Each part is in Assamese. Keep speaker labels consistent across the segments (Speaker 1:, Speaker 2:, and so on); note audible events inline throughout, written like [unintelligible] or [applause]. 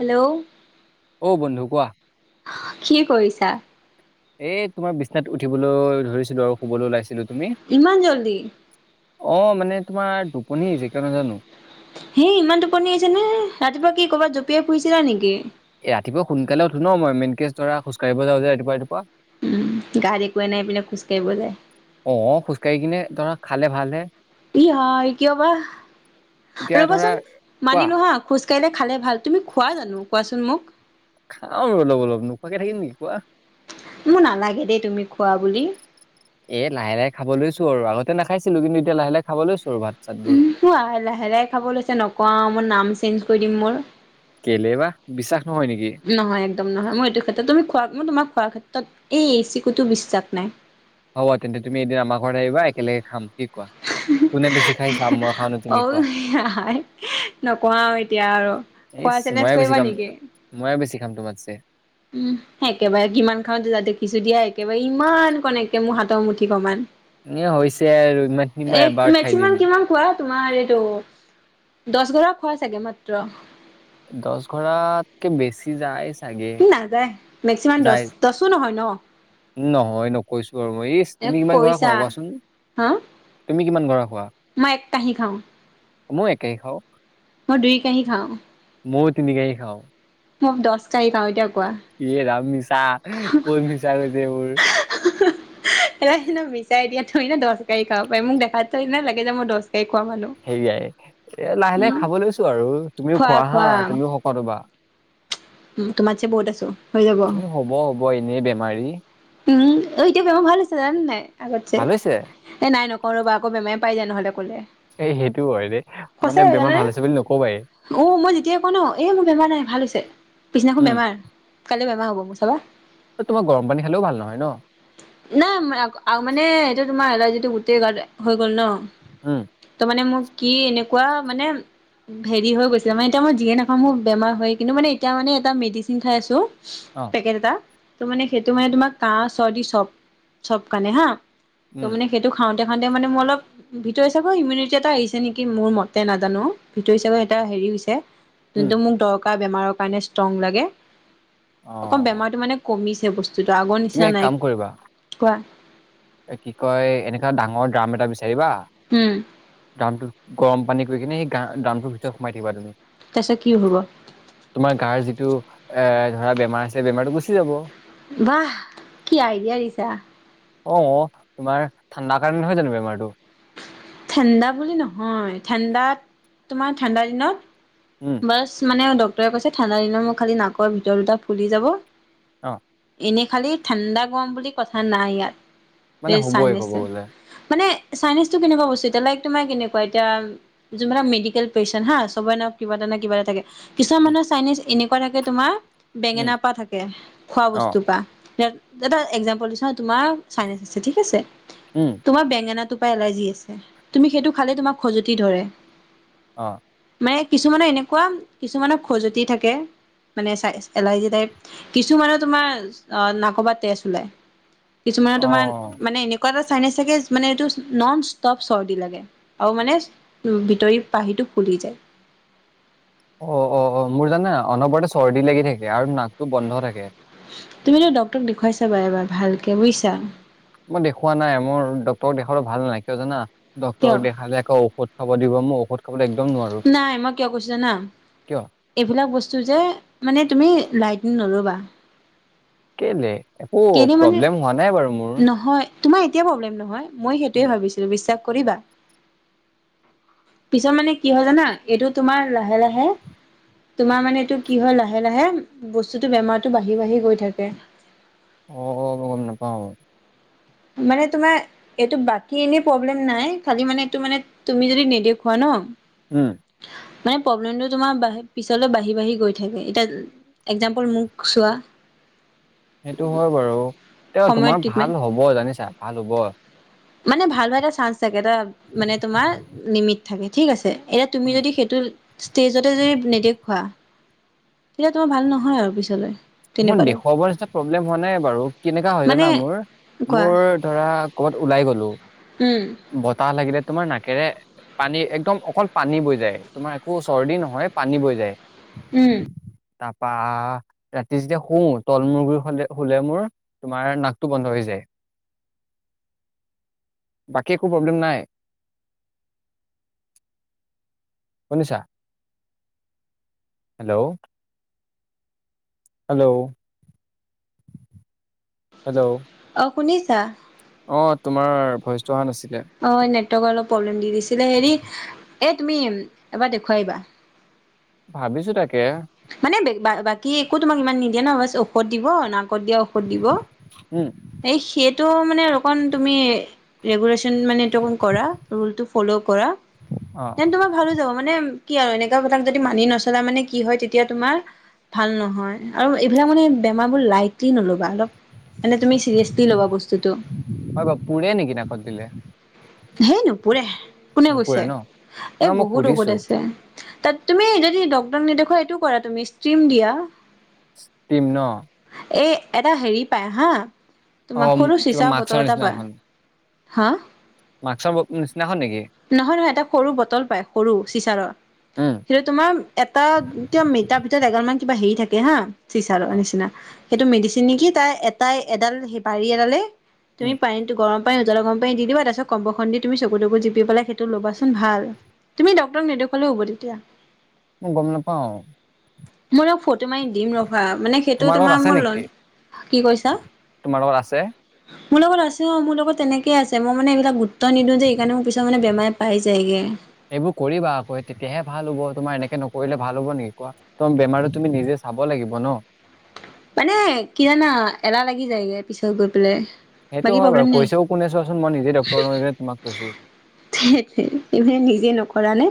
Speaker 1: হেল্ল'।
Speaker 2: অ' বন্ধু কোৱা?
Speaker 1: কি কৰিছা?
Speaker 2: এই তোমাৰ বিছনাত উঠিবলৈ ধৰিছিলো আৰু শুবলৈ ওলাইছিলো। তুমি?
Speaker 1: ইমান জল্দি।
Speaker 2: অঁ', -মানে তোমাৰ টোপনি আহিছে কিয় নাজানো।
Speaker 1: সেই ইমান টোপনি আহিছে নে, ৰাতিপুৱা কি কৰ'বাত জঁপিয়াই ফুৰিছিলা নেকি?
Speaker 2: এ' ৰাতিপুৱা সোনকালে উঠো ন' মই, মেইনকেচ ধৰা খোজকাঢ়িব যাওঁ যে ৰাতিপুৱা-ৰাতিপুৱা।
Speaker 1: উম গাত একোৱেই নাই বোলে খোজকাঢ়িব যায়।
Speaker 2: অঁহ', খোজকাঢ়ি কিনে ধৰা খালে ভাল হে।
Speaker 1: ই' হয় কিয় বা?
Speaker 2: এতিয়া ধৰা
Speaker 1: ৰ'বাচোন
Speaker 2: কোৱা
Speaker 1: মানিলো হাঁ- খোজকাঢ়িলে খালে ভাল তুমি খোৱা জানো, কোৱাচোন মোক?
Speaker 2: খাওঁ আৰু অলপ-অলপ, নোখোৱাকে থাকিম নেকি কোৱা।
Speaker 1: মোৰ নালাগে দেই তুমি খোৱা বুলি।
Speaker 2: এ' লাহে-লাহে খাব লৈছো আৰু আগতে নাখাইছিলো, কিন্তু এতিয়া লাহে-লাহে খাব লৈছো আৰু ভাত-চাতবোৰ।
Speaker 1: উমঁ' লাহে-লাহে খাব লৈছে নকওঁ আৰু মই, নাম চেঞ্জ কৰি দিম মোৰ।
Speaker 2: কেলেই বা, বিশ্বাস নহয় নেকি?
Speaker 1: নহয়, একদম নহয়, মই এইটো ক্ষেত্ৰত তুমি খোৱা মই তোমাক খোৱাৰ ক্ষেত্ৰত এই এচিকুটো বিশ্বাস নাই।
Speaker 2: হ'ব তেন্তে, তুমি এদিন আমাৰ ঘৰত আহিবা একেলগে খাম, কি কোৱা? কোনে বেছি খাই চাম, মই খাওঁ নে তুমি
Speaker 1: অ',
Speaker 2: খোৱা।
Speaker 1: হাই নকওঁ আৰু এতিয়া আৰু, খোৱা
Speaker 2: ইচ
Speaker 1: চেলেঞ্জ
Speaker 2: ময়ে বেছি
Speaker 1: কৰিবা
Speaker 2: খাম
Speaker 1: নেকি?
Speaker 2: ময়ে বেছি খাম তোমাতছে।
Speaker 1: উমঁ, একেবাৰে কিমান খাওঁ দেখিছোঁ দিয়া একেবাৰে ইমানকণ একে মোৰ হাতৰ মুঠিখনমান।
Speaker 2: এ' হৈছে আৰু ইমানখিনি মই এবাৰতে খাই
Speaker 1: মেক্সিমাম
Speaker 2: দিম।
Speaker 1: কিমান খোৱা তোমাৰ এইটো দ'হ গৰা খোৱা চাগে মাত্ৰ।
Speaker 2: দ'হ গৰাতকে বেছি যায়। চাগে
Speaker 1: ই নাযায়, মেক্সিমাম দচ,
Speaker 2: যায়।
Speaker 1: দচো নহয় ন।
Speaker 2: নহয় নকৈছোঁ আৰু, মই ইচ
Speaker 1: এ
Speaker 2: তুমি কিমান গৰা
Speaker 1: কৰিছা
Speaker 2: খোৱা কোৱাচোন?
Speaker 1: হা
Speaker 2: তুমি কিমান গৰা খোৱা?
Speaker 1: মই এক কাঁহি খাওঁ।
Speaker 2: মই একেই খাওঁ।
Speaker 1: মই দুই কাঁহি খাওঁ।
Speaker 2: ময়ো তিনিকাঁহি খাওঁ।
Speaker 1: মক দচকাঁহি খাওঁ, এতিয়া কোৱা?
Speaker 2: এ, ৰাম মিছা, কৈ মিছা কৈছে এইবোৰ।
Speaker 1: [unintelligible] মিছা এতিয়া, থৰিনা দচ কাঁহি খাব পাৰি। মোক দেখাত থৰিনা লাগে যে মই দহ কাঁহি খোৱা মানুহ।
Speaker 2: হেৰিয়াই, এ, লাহে লাহে
Speaker 1: উম,
Speaker 2: খাব লৈছোঁ আৰু, তুমিও খোৱা হা, তুমিও শকত হ'বা।
Speaker 1: উম, তোমাতছে বহুত আছোঁ।
Speaker 2: এ, হ'ব হ'ব, এনেই বেমাৰী।
Speaker 1: উম, অ', এতিয়া বেমাৰ ভাল হৈছিলা নে নাই আগতচে।
Speaker 2: ভাল হৈছে
Speaker 1: এ, নাই নকওঁ ৰ'বা আকৌ বেমাৰে পাই যায় নহ'লে ক'লে।
Speaker 2: এই সেইটো হয় দেই, মানে
Speaker 1: সঁচাই
Speaker 2: বেমাৰ
Speaker 1: জানানে
Speaker 2: ভাল হৈছে বুলি নক'বায়ে।
Speaker 1: অ' মই যেতিয়াই কওঁ ন' এ, মোৰ বেমাৰ নাই ভাল হৈছে পিছদিনাখন
Speaker 2: উম
Speaker 1: বেমাৰ, কাইলৈ বেমাৰ হ'ব মোৰ চাবা।
Speaker 2: ঐ তোমাৰ গৰম পানী খালেও ভাল নহয় ন'?
Speaker 1: নাই [unintelligible] মানে সেইটো তোমাৰ এলাৰ্জিটো গোটেই গাত হৈ গ'ল ন'।
Speaker 2: উম।
Speaker 1: ত' মানে মোক কি এনেকুৱা মানে হেৰি হৈ গৈছিলে, মানে এতিয়া মই যিয়ে নাখাওঁ মোৰ বেমাৰ হয় কিন্তু মানে এতিয়া মানে এটা মেডিচিন খাই আছোঁ
Speaker 2: অ'।
Speaker 1: সেই দুটা, ত' মানে সেইটো মানে তোমাৰ কাহ চৰ্দি চব চব কাৰণে হা, ত'
Speaker 2: উম
Speaker 1: মানে সেইটো খাওঁতে খাওঁতে মানে মোৰ অলপ ভিতৰি চাগৈ ইমিউনিটি এটা আহিছে নেকি মোৰ মতে নাজানো, ভিতৰি চাগে এটা হেৰি হৈছে।
Speaker 2: উম
Speaker 1: যোনটো মোক দৰকাৰ বেমাৰৰ কাৰণে ষ্ট্ৰং লাগে, অকণ
Speaker 2: অ
Speaker 1: বেমাৰটো মানে কমিছে, বস্তুটো, আগৰ
Speaker 2: তুমি
Speaker 1: নিচিনা
Speaker 2: এক
Speaker 1: নাই।
Speaker 2: কাম কৰিবা
Speaker 1: কোৱা।
Speaker 2: এ, কি কয়, এনেকুৱা ডাঙৰ ড্ৰাম এটা বিচাৰিবা।
Speaker 1: হুম।
Speaker 2: ড্ৰামটোত গৰম পানী কৰি কেনে সেই ড্ৰামটোৰ ভিতৰত সোমাই থাকিবা তুমি।
Speaker 1: তাৰপিছত কি হ'ব?
Speaker 2: তোমাৰ গাত যিটো এ, ধৰা বেমাৰ আছে, বেমাৰটো গুচি যাব।
Speaker 1: বাহ! কি আইডিয়া দিছা।
Speaker 2: অ', তোমাৰ ঠাণ্ডাৰ কাৰণে নহয় জানো বেমাৰটো?
Speaker 1: ঠাণ্ডা বুলি নহয়। ঠাণ্ডাত, তোমাৰ ঠাণ্ডা দিনত
Speaker 2: উম
Speaker 1: নাৰ্ছ মানে ডক্টৰে কৈছে ঠাণ্ডা দিনত মোৰ খালি নাকৰ ভিতৰত দুটা ফুলি যাব।
Speaker 2: অ'।
Speaker 1: এনেই খালি ঠাণ্ডা গৰম বুলি কথা নাই ইয়াত,
Speaker 2: মানে
Speaker 1: এই
Speaker 2: হ'বই ক'ব
Speaker 1: চাইনিজটো।
Speaker 2: গ'লে
Speaker 1: মানে চাইনিজটো কেনেকুৱা বস্তু, বেলেগ তোমাৰ কেনেকুৱা এতিয়া যোনবোৰে মেডিকেল পেইছেণ্ট হা, [unintelligible] কিবা এটা নে কিবা এটা থাকে। কিছুমান
Speaker 2: উম
Speaker 1: মানুহৰ চাইনিজ এনেকুৱা থাকে তোমাৰ
Speaker 2: উম
Speaker 1: বেঙেনা পোৱা থাকে, খোৱা
Speaker 2: অ
Speaker 1: বস্তুৰপা। দাদা এক্সামপল দিছোঁ হা, তোমাৰ চাইনিজ আছে ঠিক আছে
Speaker 2: উম',
Speaker 1: তোমাৰ বেঙেনাটোৰ পৰা এলাৰ্জি আছে। তুমি সেইটো খালে তোমাক খজুৱতি ধৰে।
Speaker 2: অঁ',
Speaker 1: মানে কিছুমানৰ এনেকুৱা, কিছুমানৰ খজুৱতি থাকে। মানে, এলাৰ্জি টাইপ কিছুমান তোমাৰ নাকৰ পৰা তেজ ওলায়। কিছুমানৰ
Speaker 2: অ
Speaker 1: তোমাৰ মানে এনেকুৱা এটা চাইনিজ থাকে মানে, এইটো নন-ষ্টপ চৰ্দি লাগে। আৰু মানে ভিতৰি পাহিটো ফুলি যায়।
Speaker 2: অ', অ', অ'। মোৰ, জানা, অনবৰতে চৰ্দি লাগি থাকে, আৰু নাকটো বন্ধ থাকে।
Speaker 1: তুমিতো ডাক্তৰক দেখুৱাইছা এবাৰ ভালকৈ বুজিছা।
Speaker 2: মই দেখুওৱা নাই। মোৰ ডাক্তৰক দেখুৱালে ভাল নালাগে কিয় জানা?
Speaker 1: কিয়
Speaker 2: ডাক্তৰক দেখালে আকৌ ঔষধ খাব দিব। মই ঔষধ খাবলৈ একদম নোৱাৰোঁ।
Speaker 1: কৈছে জানা? এইবিলাক বস্তু যে, মানে তুমি লাইটলি নল'বা।
Speaker 2: কেলে? একো
Speaker 1: কেলে মানে
Speaker 2: প্ৰব্লেম হোৱা নাই বাৰু মোৰ।
Speaker 1: নহয় তোমাৰ এতিয়া প্ৰব্লেম নহয়। মই
Speaker 2: উম।
Speaker 1: সেইটোৱেই ভাবিছিলোঁ, বিশ্বাস কৰিবা। পিছত মানে কি হয় জানা? এইটো তোমাৰ লাহে লাহে তোমাৰ মানে এইটো কি হয় লাহে লাহে? বস্তুটো বেমাৰটো বাঢ়ি বাঢ়ি গৈ থাকে।
Speaker 2: অ', গম নাপাওঁ।
Speaker 1: মানে তোমাৰ এইটো বাকী এনে প্ৰব্লেম নাই। খালি মানে, এইটো তুমি যদি নেদেখুৱা ন?
Speaker 2: উম',
Speaker 1: মানে, প্ৰব্লেমটো তোমাৰ পিছলৈ বাঢ়ি বাঢ়ি গৈ থাকে। এতিয়া একজামপোল মোক চোৱা।
Speaker 2: সেইটো হয় বাৰু। তেওঁ
Speaker 1: সময়ত
Speaker 2: তোমাৰ
Speaker 1: ট্ৰিটমেণ্ট
Speaker 2: ভাল হ'ব জানিছা? ভাল হ'ব।
Speaker 1: মানে, ভাল হোৱা এটা চান্স থাকে। এটা মানে তোমাৰ লিমিট থাকে, ঠিক আছে? এতিয়া তুমি
Speaker 2: উম।
Speaker 1: যদি সেইটো ষ্টেজতে যদি [unintelligible] তেতিয়া তোমাৰ ভাল নহয় আৰু পিছলৈ।
Speaker 2: মই
Speaker 1: তেনেকুৱা টাইপ
Speaker 2: দেখুৱাবৰ নিচিনা প্ৰব্লেম হোৱা নাই বাৰু। কেনেকুৱা হয়
Speaker 1: মানে
Speaker 2: জানা মোৰ?
Speaker 1: কোৱা
Speaker 2: মোৰ ধৰা, ক'বাত ওলাই গ'লো।
Speaker 1: উম
Speaker 2: বতাহ লাগিলে তোমাৰ নাকেৰে। পানী একদম অকল পানী বৈ যায়। তোমাৰ একো চৰ্দি নহয় পানী বৈ যায়।
Speaker 1: উম
Speaker 2: তাৰপা ৰাতি যেতিয়া শুওঁ তল মূৰ কৰি শুলে মোৰ তোমাৰ নাকটো বন্ধ হৈ যায়। বাকী একো প্ৰব্লেম নাই। শুনিছা? হেল্লো' হেল্লো' হেল্লো'
Speaker 1: অঁ শুনিছা?
Speaker 2: অ তোমাৰ ভইচটো অহা নাছিলে।
Speaker 1: অ নেটৱৰ্কৰ অলপ প্ৰব্লেম দি দিছিলে। হেৰি এ তুমি এবাৰ দেখুৱাই আহিবা।
Speaker 2: ভাবিছো তাকে।
Speaker 1: মানে [unintelligible] বাকী একো তোমাক ইমান নিদিয়ে ন বাচ ঔষধ দিব [unintelligible] নাকত দিয়া ঔষধ দিব।
Speaker 2: উম,
Speaker 1: সেইটো মানে অকণ তুমি ৰেগুলেচন মানে [unintelligible] কৰা ৰুলটো ফ'ল' কৰা।
Speaker 2: অ',
Speaker 1: তেনে তোমাৰ ভাল হৈ যাব। মানে, কি আৰু এনেকুৱা বিলাক যদি মানি নচলা মানে কি হৈ তেতিয়া তেতিয়া তোমাৰ ভাল নহয় আৰু এইবিলাক মানে বেমাৰবোৰ লাইকলি নলবা, অলপ মানে তুমি চিৰিয়াচলি ল'ব বস্তুটো
Speaker 2: হয় বাৰু। পুৰে নেকি নাকত দিলে।
Speaker 1: হেই নুপুৰে, কোনে কৈছে
Speaker 2: নুপুৰে ন? ন
Speaker 1: এ
Speaker 2: মই
Speaker 1: বহুত
Speaker 2: সুধিছো
Speaker 1: ঔষধ আছে। তাত তুমি যদি ডক্তৰ নেদেখুৱা এইটো কৰা তুমি, ষ্টিম দিয়া।
Speaker 2: ষ্ট্ৰীম ন।
Speaker 1: এই এটা হেৰি পায় হা, তোমাৰ
Speaker 2: অ',
Speaker 1: সৰু
Speaker 2: কিবা
Speaker 1: চিচা
Speaker 2: মাক্সৰ
Speaker 1: বটল এটা পায়।
Speaker 2: নিচিনাখন
Speaker 1: হা?
Speaker 2: মাক্সৰ বক নিচিনাখন নেকি?
Speaker 1: নহয়, নহয় এটা সৰু বটল পায়, সৰু চিচাৰৰ।
Speaker 2: উম,
Speaker 1: সেইটোত তোমাৰ এটা কিবা মেলা ভিতৰত এগালমান কিবা হেৰি থাকে হা, চিচাৰৰ
Speaker 2: অ',
Speaker 1: নিচিনা। সেইটো মেডিচিন নেকি, তাৰ এটাই এডাল বাৰী এডালে তুমি
Speaker 2: উম,
Speaker 1: পানীটো গৰম জল গৰম পানী দি দিবা, তাৰপাছত কম্বল খন দি তুমি চকু-তকু জিপি পেলাই সেইটো লবাচোন ভাল। তুমি ডক্তৰক নেদেখুৱালেও হ'ব তেতিয়া।
Speaker 2: গম নাপাওঁ।
Speaker 1: মই তোমাক ফটো মাৰি দিম ৰবা, মানে সেইটো
Speaker 2: লগত
Speaker 1: তোমাৰ
Speaker 2: আছে
Speaker 1: মোৰ
Speaker 2: নেকি?
Speaker 1: লন, কি কৈছা
Speaker 2: তোমাৰ লগত আছে
Speaker 1: মোৰ লগত আছে অ', মোৰ লগত তেনেকে আছে। মই মানে এনেকা গোট গুৰুত্ব নিদিওঁ যে সেইকাৰণে মোক পিছত মানে বেমাৰে পাই যায়গৈ।
Speaker 2: এইবোৰ কৰিবা আকৌ তেতিয়াহে ভাল হ, ব, তোমাৰ এনেকে নকৰিলে ভাল হ, ব নেকি কোৱা? তোমাৰ বেমাৰটো তুমি নিজে চাব লাগিব ন।
Speaker 1: মানে কি জানা, এলাহ লাগি যায়গৈ পিছত গৈ পেলাই।
Speaker 2: সেইটো
Speaker 1: বাকী
Speaker 2: হয়
Speaker 1: প্ৰব্লেম
Speaker 2: বাৰু
Speaker 1: নাই
Speaker 2: কৈছেও কোনে চোৱাচোন, মই নিজে ডক্তৰ হৈ কিনে তোমাক কৈছো।
Speaker 1: সেইটোৱে তুমি নিজে নকৰা নে?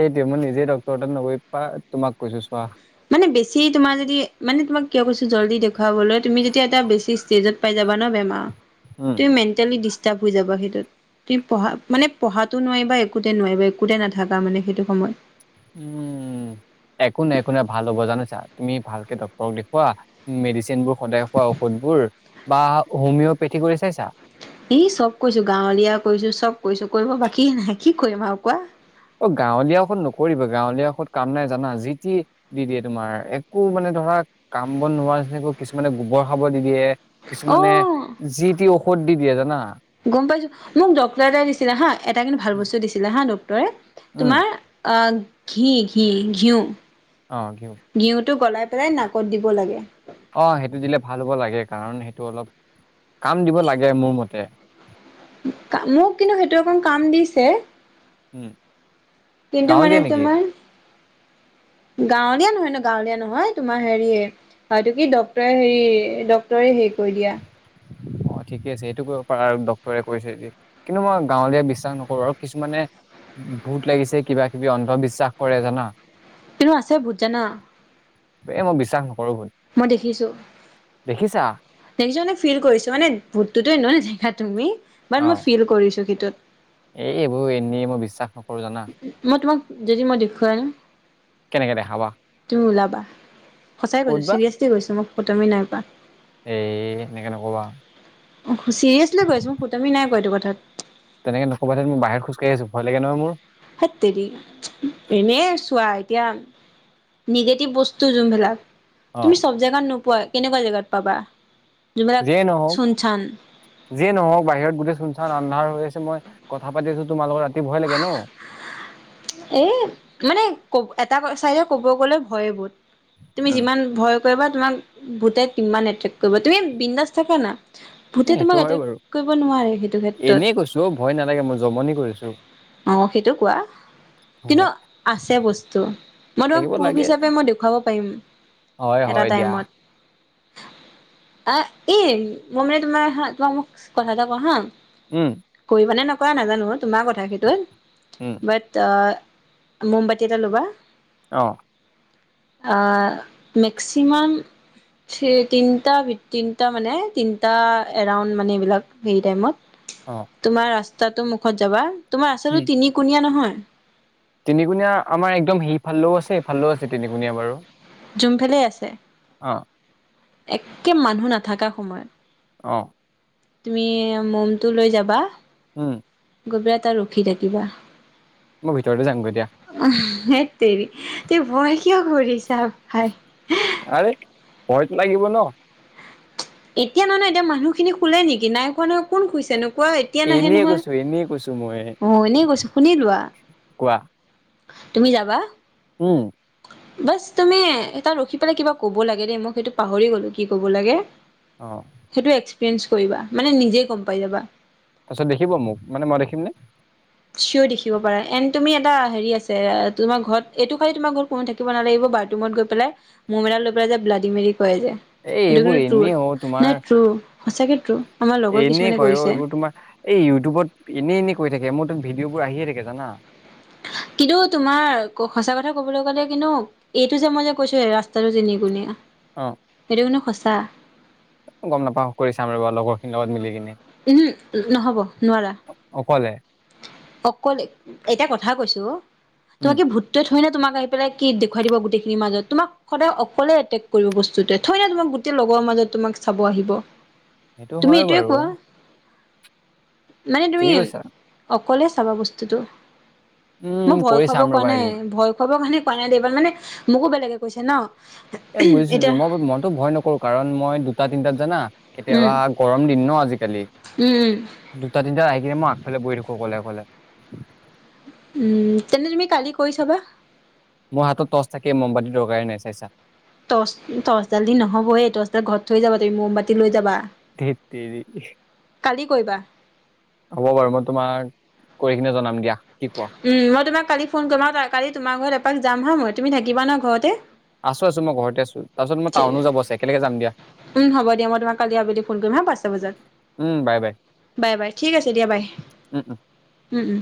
Speaker 2: সেইটোৱে মই নিজেই ডক্তৰ তাত নগৈ পা, তোমাক কৈছো চোৱা।
Speaker 1: মানে বেছি তোমাৰ যদি, মানে তোমাক কিয় কৈছো জল্দি দেখুৱাবলৈ তুমি যেতিয়া এটা বেছি ষ্টেজত পাই যাবা ন, বেমাৰত।
Speaker 2: উম।
Speaker 1: তুমি মেণ্টেলি ডিষ্টাৰ্ব হৈ যাবা, সেইটোত। তুমি পঢ়াত মানে, পঢ়াটো নোৱাৰিবা, একোতে নোৱাৰিবা, একোতে নাথাকা মানে সেইটো সময়ত।
Speaker 2: উম। একো নাই, একো নাই ভাল হ'ব জানিছা। তুমি ভালকে ডক্তৰক দেখুওৱা মেডিচিন বোৰ সদায় খোৱা ঔষধবোৰ, বা হোমিঅপেথি কৰি চাইছা।
Speaker 1: ই চব কৰিছোঁ, গাঁৱলীয়া কৰিছোঁ চব কৰিছোঁ। কৰিব বাকীয়ে নাই কি কৰিম আৰু কোৱা।
Speaker 2: অ' গাঁৱলীয়া ঔষধ নকৰিবা, গাঁৱলীয়া ঔষধ কাম নাই জানা যি টি দি দিয়ে তোমাৰ, একো মানে ধৰা কাম বন নোহোৱা নিচিনাকৈ কিছুমানে গোবৰ খাব দি দিয়ে কিছুমানে,
Speaker 1: অ
Speaker 2: যি টি ঔষধ দি দিয়ে জানা।
Speaker 1: গম পাইছোঁ, মোক ডক্টৰ এটাই দিছিলে হা এটা কিন্তু ভাল বস্তু দিছিলে হা ড ক্টৰে
Speaker 2: উম
Speaker 1: তোমাৰ আ, ঘি-ঘি-ঘিউ
Speaker 2: অ কি হ'ব
Speaker 1: ঘিউতো গলাই পেলাই নাকত দিব লাগে।
Speaker 2: অ', সেইটো দিলে ভাল হ'ব লাগে। কাৰণ সেইটো অলপ কাম দিব লাগে মোৰ মতে।
Speaker 1: কা, মোক কিন্তু সেইটো অকণ কাম দিছে।
Speaker 2: উম।
Speaker 1: কিন্তু মানে
Speaker 2: গাঁৱলীয়া নেকি
Speaker 1: তোমাৰ গাঁৱলীয়া নহয় ন গাঁৱলীয়া নহয় তোমাৰ হেৰিয়ে হয়তো কি ডক্টৰে হেৰি ডক্টৰে হেৰি কৰি দিয়া।
Speaker 2: অঁ ঠিকে আছে সেইটো কৰিব পাৰা আৰু ডক্তৰে কৈ যদি, কিন্তু মই গাঁৱলীয়া বিশ্বাস নকৰো আৰু কিছুমানে ভূত লাগিছে কিবা কিবি অন্ধবিশ্বাস কৰে জানা।
Speaker 1: কিন্তু আছে ভূত আছে জানা।
Speaker 2: এ মই বিশ্বাস নকৰো ভূত।
Speaker 1: মই দেখিছোঁ।
Speaker 2: দেখিছা?
Speaker 1: দেখিছো মানে ফিল কৰিছো মানে ভোতটোতো নেদেখা তুমি, বাত মই
Speaker 2: অ',
Speaker 1: ফিল কৰিছো সেইটোত।
Speaker 2: এই এইবোৰ এনেই মই বিশ্বাস নক
Speaker 1: মই তোমাক যদি মই দেখুৱাইন।
Speaker 2: কেনেকে দেখাবা?
Speaker 1: তো ওলাবা, সচাই
Speaker 2: ক'ত
Speaker 1: কৈছো
Speaker 2: বা?
Speaker 1: ছিৰিয়াছলি কৈছো মোক ফাটোৱামী নাই কৰা।
Speaker 2: এই সেনেকে নকবা।
Speaker 1: চিৰিয়াছলি কৈ আছো, মই ফটোৱামী নাই কৰা এইটো কথাত।
Speaker 2: তেনেকে নকবা ধেৎ মই বাহিৰত খোজ কাঢ়ি আছো ভয় লাগে নহয় মোৰ।
Speaker 1: হেট তেৰি, এনেই চোৱা এতিয়া নিগেটিভ বস্তু যোনবিলাক, তুমি
Speaker 2: অ',
Speaker 1: চব জেগাত নোপোৱা কেনেকুৱা জেগাত পাবা? যোনবিলাক
Speaker 2: যিয়ে নহওঁক।
Speaker 1: চুনচান
Speaker 2: যিয়ে নহওক বাহিৰত গোটেই চুনচান আন্ধাৰ হৈ আছে, মই কথা পাতি আছো তোমাৰ লগত ৰাতি ভয় লাগে ন।
Speaker 1: এই মানে কব এটা চাইদে ক'ব গ'লে ভয় এইবোৰ। তুমি
Speaker 2: উম,
Speaker 1: যিমান ভয় কৰিবা তোমাক ভূটে সিমান এট্ৰেক্ট কৰিব, তুমি বিন্দাস থাকা না।
Speaker 2: এ
Speaker 1: ভূতে
Speaker 2: সেইটো
Speaker 1: তোমাক
Speaker 2: হয়
Speaker 1: এটেক কৰিব নোৱাৰে সেইটো ক্ষেত্ৰত।
Speaker 2: ঐ ভয় নালাগে মই জমনি কৰিছো।
Speaker 1: অঁ, সেইটো কোৱা। কিন্তু আছে বস্তু, মই তোমাক
Speaker 2: থাকিব
Speaker 1: প্ৰুফ
Speaker 2: লাগে।
Speaker 1: হিচাপে মই দেখুৱাব পাৰিম।
Speaker 2: হয়
Speaker 1: এটা
Speaker 2: হয় দিয়া।
Speaker 1: টাইমত আ এই, মই মানে তোমাৰ হা তোমাক মোক কথা এটা ক‌ও হা।
Speaker 2: উম।
Speaker 1: কৰিবা নে নকৰা নাজানো তোমাৰ কথা সেইটো।
Speaker 2: উম।
Speaker 1: বাট আ‍ঁ, মমবাতি এটা ল'বা।
Speaker 2: অঁ
Speaker 1: আঁ মেক্সিমাম থ্ৰি তিনটা তিনটা মানে তিনটা এৰাউণ্ড মানে এইবিলাক হেই টাইমত
Speaker 2: অ‍ঁ
Speaker 1: তোমাৰ ৰাস্তাটো মুখত যাবা, তোমাৰ
Speaker 2: উম
Speaker 1: ৰাস্তাটো তিনিকোণীয়া নহয়?
Speaker 2: তিনিকুণীয়া আমাৰ একদম সেইফালেও আছে এইফালেও আছে তিনিকুণীয়া বাৰু।
Speaker 1: জোনফালেই আছে।
Speaker 2: অঁ
Speaker 1: একে মানুহ নাথাকা সময়ত।
Speaker 2: অঁ
Speaker 1: তুমি মমটো লৈ যাবা।
Speaker 2: উম
Speaker 1: গৰু এটা ৰখি থাকিবা।
Speaker 2: মই ভিতৰতে যামগৈ এতিয়া।
Speaker 1: অ সেততেৰি তুমি ভয় কিয় কৰিছা ভাই।
Speaker 2: আৰে ভয়টো লাগিব ন।
Speaker 1: এতিয়া নহয় ন এতিয়া মানুহখিনি শুলে নেকি নাই শুৱা নহয়। কোন শুইছে নো, কোৱা এতিয়া নাহে
Speaker 2: এনেই
Speaker 1: নহয়
Speaker 2: কৈছো এনেই কৈছো মই
Speaker 1: অ এনেই কৈছো শুনি লোৱা।
Speaker 2: কোৱা।
Speaker 1: তুমি যাবা?
Speaker 2: উম।
Speaker 1: বাচ তুমি এটা ৰখি পেলাই কিবা ক'ব লাগে দেই, মই সেইটো পাহৰি গলো কি ক'ব লাগে।
Speaker 2: অ।
Speaker 1: সেইটো এক্সপিৰিয়েঞ্চ কৰিবা মানে নিজে গম পাই যাবা।
Speaker 2: তাৰপিছত দেখিব মোক, মানে মই দেখিম নে?
Speaker 1: চিয়ৰ দেখিব পাৰা এণ্ তুমি এটা হেৰি আছে তোমাৰ ঘৰত এইটো খালি তোমাৰ ঘৰ ত কোনো থাকিব নালাগিব বাথৰুমত গৈ পেলাই মোৰ ম'ম এদাল লৈ পেলাই ব্লাডি মেৰি কয় যে
Speaker 2: এই
Speaker 1: এটো
Speaker 2: এইবোৰ
Speaker 1: কিন্তু
Speaker 2: এনেই অ
Speaker 1: ট্ৰো
Speaker 2: তোমাৰ
Speaker 1: নাই তোৰ সঁচাকে ট্ৰো আমাৰ লগৰ
Speaker 2: এনেই
Speaker 1: কিছুমানে
Speaker 2: কয় অ
Speaker 1: কৰিছে।
Speaker 2: এইবোৰ তোমাৰ এই ইউটিউবত এনেই এনে কৈ থাকে মোৰ ত ভিডিঅ' বোৰ আহিয়ে থাকে জানা।
Speaker 1: কিন্তু তোমাৰ সঁচা কথা কবলৈ গ'লে কিন্তু এইটো যে মই যে কৈছো ৰাস্তাটো তিনিকুণীয়া
Speaker 2: অঁ।
Speaker 1: এইটো কিন্তু সঁচা।
Speaker 2: গম নাপাও কৰি চাম ৰবা লগৰ খিনিৰ লগত মিলি কিনে।
Speaker 1: উমহু নহ'ব নোৱাৰা।
Speaker 2: অকলে?
Speaker 1: অকলে, এটা কথা কৈছো
Speaker 2: উম
Speaker 1: তোমাক কি ভূতটো ধৰিলোৱা তোমাক আহি পেল কি দেখাই দিব গোটেইখিনি মাজত তোমাক সদায় অকলে এটেক কৰিব বস্তুতোৱে থৰে না তোমাক গোটেই লগৰ মাজত তোমাক চাব আহিব।
Speaker 2: সেইটো
Speaker 1: তুমি
Speaker 2: হয়
Speaker 1: এইটোৱে
Speaker 2: বাৰু।
Speaker 1: কোৱা মানে তুমি
Speaker 2: ঠিক কৈছা
Speaker 1: অকলে চাবা বস্তুতটো। মই
Speaker 2: উম,
Speaker 1: ভয়
Speaker 2: কৰি
Speaker 1: খুৱাব
Speaker 2: চাম
Speaker 1: কোৱা
Speaker 2: ৰ'বা
Speaker 1: নাই
Speaker 2: এদিন।
Speaker 1: ভয় খোৱাবৰ কাৰণে কোৱা নাই দেই মানে মোকো বেলেগে কৈছে ন।
Speaker 2: এ বুজিছো
Speaker 1: এতিয়া
Speaker 2: মই মইতো ভয় নকৰো কাৰণ মই দুটা তিনটাত জানা
Speaker 1: উম
Speaker 2: কেতিয়াবা গৰম দিন ন আজিকালি
Speaker 1: উম উম
Speaker 2: দুটা তিনিটাত আহি কিনে মই আগফালে বহি থাকো অক'লে অক'লে।
Speaker 1: উম তেনে তুমি কালি কৰি চাবা।
Speaker 2: মোৰ হাতত টৰ্চ থাকে মমবাটীৰ দৰকাৰে নাই চাইছা
Speaker 1: টৰ্চ টৰ্চডাল দি নহ'ব এই টৰ্চডাল ঘৰত থৈ যাবা তুমি মমবাতি লৈ যাবা।
Speaker 2: ধেট তেৰি।
Speaker 1: কালি কৰিবা
Speaker 2: হ'ব বাৰু মই তোমাক কৰি কিনে জনাম দিয়া। কি কোৱা?
Speaker 1: উম মই তোমাক কালি ফোন কৰিম আৰু কালি তোমাৰ ঘৰত এপাক যাম হা মই তুমি থাকিবা ন ঘৰতে?
Speaker 2: আছো আছো মই ঘৰতে আছো। তাৰপিছত মই
Speaker 1: ঠিক
Speaker 2: টাউনো যাব
Speaker 1: আছে।
Speaker 2: একেলগে যাম দিয়া
Speaker 1: উম হ'ব দিয়া মই তোমাক কালি আবেলি ফোন কৰিম হা পাঁচটা বজাত।
Speaker 2: উম, বাই বাই
Speaker 1: বাই বাই ঠিক আছে দিয়া বাই,
Speaker 2: উম, উম।
Speaker 1: উম উম।